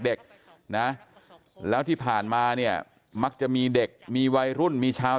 เด็กนะแล้วที่ผ่านมาเนี่ยมักจะมีเด็กมีวัยรุ่นมีชาว